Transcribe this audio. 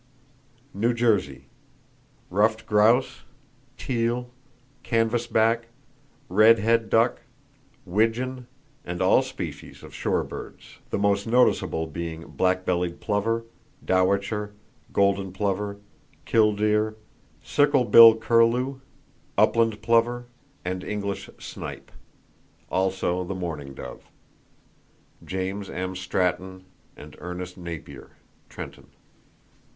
New Jersey: Ruffed grouse, teal, canvasback, red head duck, widgeon, and all species of shore birds, the most noticeable being black bellied plover, dowitcher, golden plover, killdeer, [Page 50] sickle bill curlew, upland plover and English snipe; also the mourning dove.—(James M. Stratton and Ernest Napier, Trenton.)